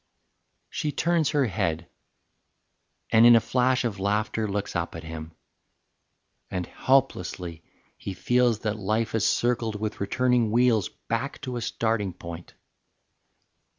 XIII. She turns her head and in a flash of laughter Looks up at him: and helplessly he feels That life has circled with returning wheels Back to a starting point.